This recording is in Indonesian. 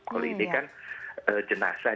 kalau ini kan jenazah